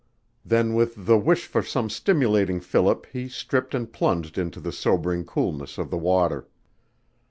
Then with the wish for some stimulating fillip he stripped and plunged into the sobering coolness of the water.